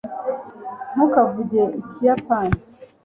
ntukavuge ikiyapani